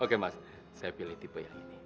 oke mas saya pilih tipe yang ini